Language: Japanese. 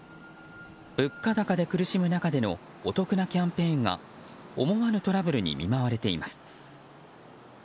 物価高で苦しむ中でのお得なキャンペーンが思わぬトラブルに見舞われています。